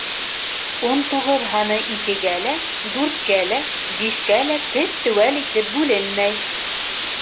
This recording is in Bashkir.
Ун туғыҙ һаны икегә лә, дүрткә лә, бишкә лә теп-теүәл итеп бүленмәй!